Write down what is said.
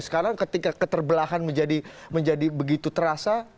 sekarang ketika keterbelahan menjadi begitu terasa